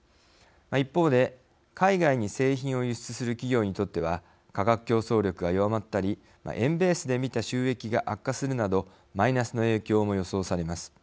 一方で海外に製品を輸出する企業にとっては価格競争力が弱まったり円ベースで見た収益が悪化するなどマイナスの影響も予想されます。